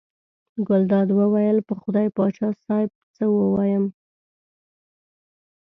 ګلداد وویل: په خدای پاچا صاحب څه ووایم.